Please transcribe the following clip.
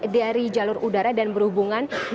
dari jalur udara dan berhubungan